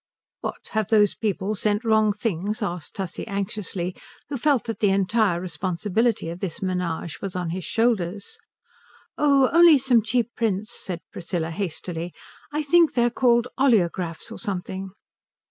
"What, have those people sent wrong things?" asked Tussie anxiously, who felt that the entire responsibility of this ménage was on his shoulders. "Oh, only some cheap prints," said Priscilla hastily. "I think they're called oleographs or something."